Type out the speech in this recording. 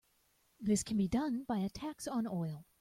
This can be done by a tax on oil.